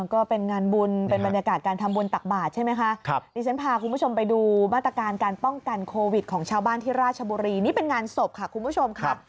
ของชาวบ้านที่ราชบุรีนี่เป็นงานศพค่ะคุณผู้ชมค่ะ